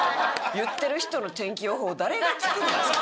言ってる人の天気予報誰が聞くねん。